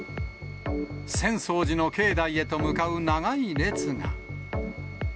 浅草寺の境内へと向かう長い列が。